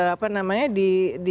apa namanya di